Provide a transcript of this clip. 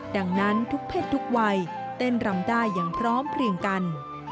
ดังนั้นทุกเพศทุกวัยเต้นรำได้อย่างพร้อมเพลียงกัน